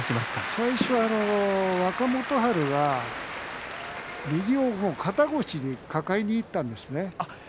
最初は若元春が右を肩越しに抱えにいったんですね。